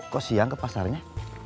kok siang ke pasarnya